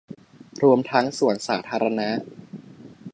รวมทั้งสวนสาธาณะ